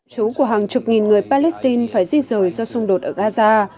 chú của hàng chục nghìn người palestine phải di rời do xung đột ở gaza